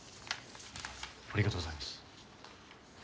ありがとうございます。